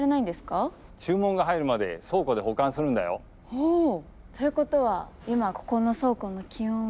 おお！ということは今ここの倉庫の気温は？